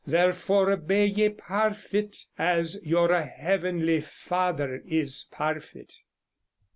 Therefore be ye parfit, as youre hevenli Fadir is parfit.